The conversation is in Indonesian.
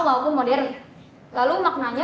maupun modern lalu maknanya